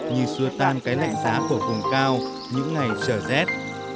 như xua tan cái lẹ giá của vùng cao những ngày trở rét